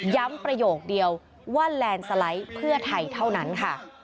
ประโยคเดียวว่าแลนด์สไลด์เพื่อไทยเท่านั้นค่ะ